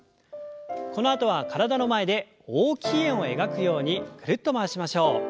このあとは体の前で大きい円を描くようにぐるっと回しましょう。